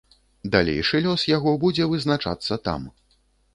Далейшы лёс яго будзе вызначацца там.